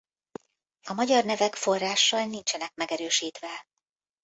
A magyar nevek forrással nincsenek megerősítve.